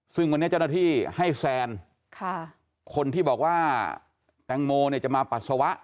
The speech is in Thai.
ซึ่งวันนี้เจ้าหน้าที่ให้แซนคนที่บอกว่าแตงโมเนี่ยจะมาปัสสาวะ